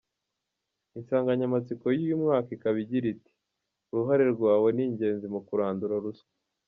Insanganyamatsiko y’uyu mwaka ikaba igira iti “uruhare rwawe ni ingenzi mu kurandura ruswa".